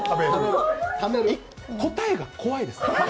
答えが怖いです。